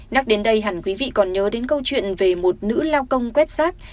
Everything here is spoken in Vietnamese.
nhắc đến đây hẳn quý vị còn nhớ đến câu chuyện về một nữ lao công quét sát